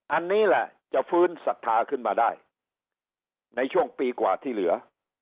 อันนี้แหละจะฟื้นศรัทธาขึ้นมาได้ในช่วงปีกว่าที่เหลือ